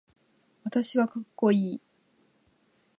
私はかっこいい